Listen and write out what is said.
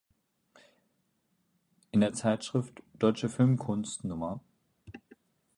In der Zeitschrift "Deutsche Filmkunst" Nr.